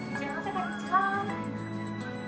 こんにちは。